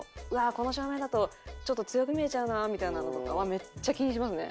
この照明だとちょっと強く見えちゃうなみたいなのとかはめっちゃ気にしますね。